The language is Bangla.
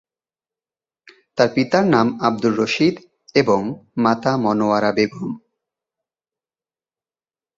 তার পিতার নাম আব্দুর রশীদ এবং মাতা মনোয়ারা বেগম।